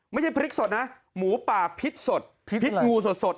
พริกสดนะหมูป่าพิษสดพิษงูสด